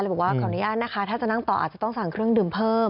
บอกว่าขออนุญาตนะคะถ้าจะนั่งต่ออาจจะต้องสั่งเครื่องดื่มเพิ่ม